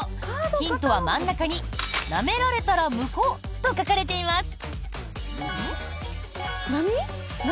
ヒントは、真ん中に「なめられたら無効」と書かれています。